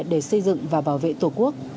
để xây dựng và bảo vệ tổ quốc